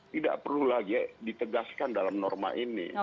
tidak perlu lagi ditegaskan dalam norma ini